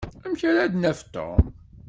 Amek ara d-naf Tom?